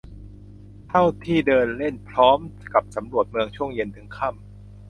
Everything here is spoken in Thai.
เท่าที่เดินเล่นพร้อมกับสำรวจเมืองช่วงเย็นถึงค่ำ